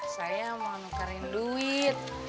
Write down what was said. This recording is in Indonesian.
saya mau ngukerin duit